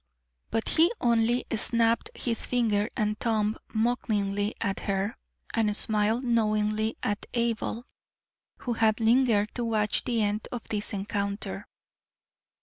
But he only snapped his finger and thumb mockingly at her, and smiled knowingly at Abel, who had lingered to watch the end of this encounter.